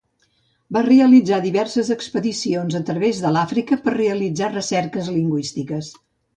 Va realitzar diverses expedicions a través de l'Àfrica per a realitzar recerques lingüístiques.